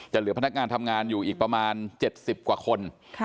เหลือพนักงานทำงานอยู่อีกประมาณ๗๐กว่าคน